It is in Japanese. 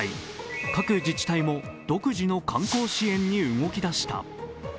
各自治体も独自の観光支援に動き出した。